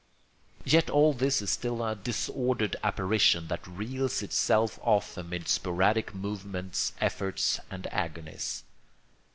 Yet all this is still a disordered apparition that reels itself off amid sporadic movements, efforts, and agonies.